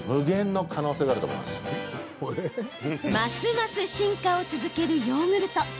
ますます進化を続けるヨーグルト。